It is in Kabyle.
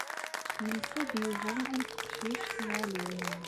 Yelsa-d Yuba am teqcict i Halloween.